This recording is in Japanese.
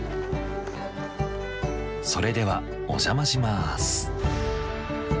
それではお邪魔します。